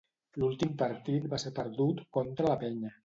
L'últim partit va ser perdut contra la Penya.